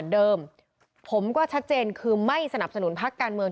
เดิมผมก็ชัดเจนคือไม่สนับสนุนพักการเมือง